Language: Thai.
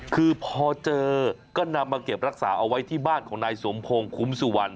คือพอเจอก็นำมาเก็บรักษาเอาไว้ที่บ้านของนายสมพงศ์คุ้มสุวรรณ